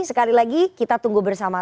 sekali lagi kita tunggu bersama